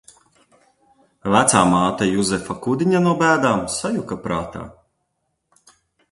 Vecāmāte Juzefa Kudiņa no bēdām sajuka prātā.